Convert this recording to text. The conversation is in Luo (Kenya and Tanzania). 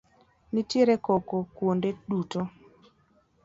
Nitiere koko kuonde duto.